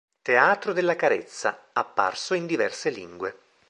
Teatro della carezza," apparso in diverse lingue.